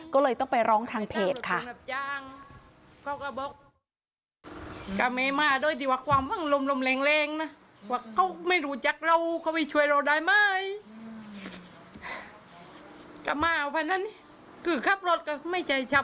ก็เลยต้องไปร้องทางเพจค่ะ